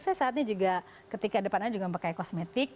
saya saatnya juga ketika depannya juga pakai kosmetik